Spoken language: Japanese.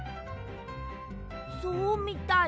そうみたい。